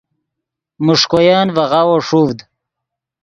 میݰکوین ڤے غاوو ݰوڤد